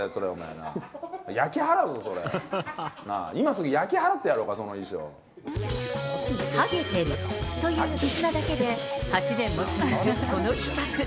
なぁ、今すぐ焼き払ってやろうか、はげてるという絆だけで、８年も続くこの企画。